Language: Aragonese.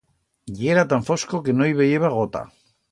Yera tan fosco que no i veyeba gota.